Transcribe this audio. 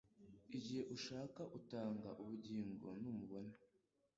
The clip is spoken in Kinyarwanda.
Igihe ushaka utanga ubugingo, ntumubona.